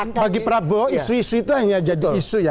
bagi prabowo isu isu itu hanya jadi isu ya